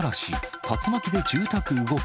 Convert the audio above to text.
竜巻で住宅動く。